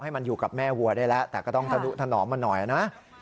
มันอยู่กับแม่วัวได้แล้วแต่ก็ต้องทะนุถนอมมาหน่อยนะ